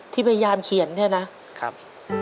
พยายามเขียนเนี่ยนะครับ